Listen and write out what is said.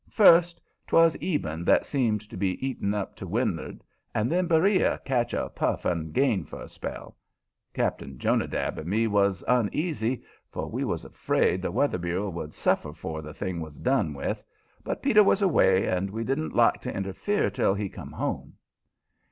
First 'twas Eben that seemed to be eating up to wind'ard, and then Beriah'd catch a puff and gain for a spell. Cap'n Jonadab and me was uneasy, for we was afraid the Weather Bureau would suffer 'fore the thing was done with; but Peter was away, and we didn't like to interfere till he come home.